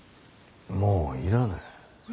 もう要らぬ。